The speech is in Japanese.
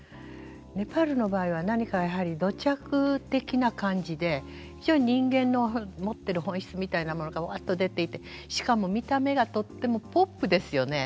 ネパールの場合は何かやはり土着的な感じで非常に人間の持ってる本質みたいなものがわっと出ていてしかも見た目がとってもポップですよね。